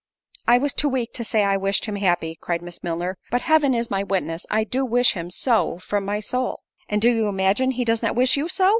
"I was too weak to say I wished him happy," cried Miss Milner; "but, Heaven is my witness, I do wish him so from my soul." "And do you imagine he does not wish you so?"